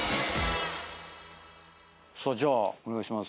じゃあお願いします。